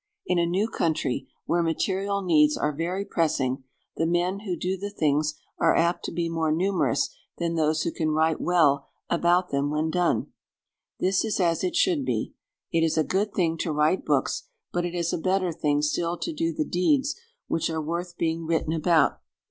In a new country, where material needs are very pressing, the men who do the things are apt to be more numerous than those who can write well about them when done. This is as it should be. It is a good thing to write books, but it is a better thing still to do the deeds which are worth being written about.